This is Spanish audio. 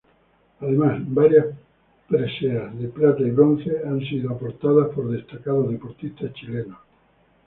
Además, varias preseas de Plata y Bronce han sido aportadas por destacados deportistas chilenos.